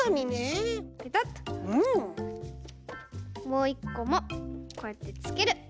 もういっこもこうやってつける。